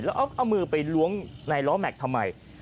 แล้วเอามือไปล้วงในล้อแม็กซ์ทำไม